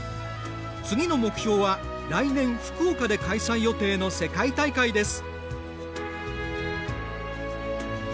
次の目標は来年福岡で開催予定の世界大会です。